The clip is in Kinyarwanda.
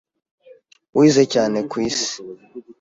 wize cyane ku isi